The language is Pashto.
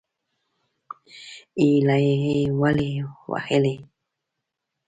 _هيلۍ يې ولې وهلې؟